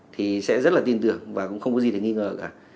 thì sẽ rất là tin tưởng và cũng không có gì để nghi ngờ cả